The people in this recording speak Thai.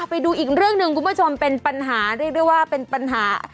ไปดูอีกเรื่องหนึ่งคุณผู้ชมเป็นปัญหาเรียกได้ว่าเป็นปัญหา